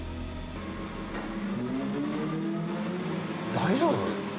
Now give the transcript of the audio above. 大丈夫？